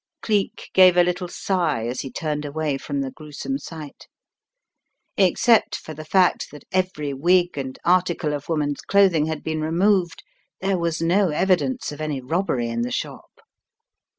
Cleek gave a little sigh as he turned away from the gruesome sight. Except for the fact that every wig and article of woman's cloth ing had been removed, there was no evidence of any robbery in the shop.